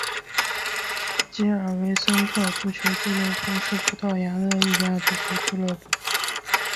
吉尔维森特足球俱乐部是葡萄牙的一家足球俱乐部。